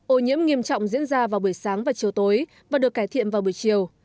ô nhiễm nghiêm trọng diễn ra vào buổi sáng và chiều tối và được cải thiện vào buổi chiều